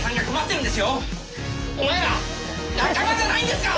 お前ら仲間じゃないんですか！？」。